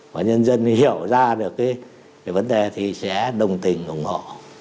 và nhân dân hiểu ra được cái vấn đề thì sẽ đồng tình ủng hộ